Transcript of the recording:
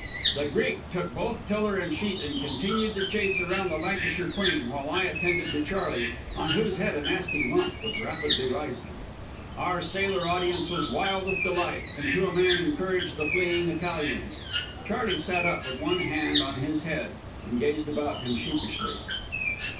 The Greek took both tiller and sheet and continued the chase around the Lancashire Queen, while I attended to Charley, on whose head a nasty lump was rapidly rising. Our sailor audience was wild with delight, and to a man encouraged the fleeing Italians. Charley sat up, with one hand on his head, and gazed about him sheepishly.